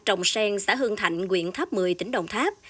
trồng sen xã hương thạnh quyện tháp một mươi tỉnh đồng tháp